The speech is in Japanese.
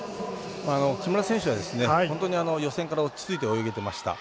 木村選手は本当に予選から落ち着いて泳げてました。